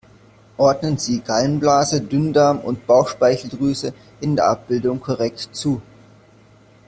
Ordnen Sie Gallenblase, Dünndarm und Bauchspeicheldrüse in der Abbildung korrekt zu!